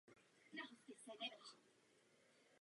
Sledujeme přizpůsobování se technologické změně.